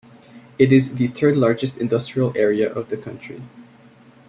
It is the third largest industrial area of the country.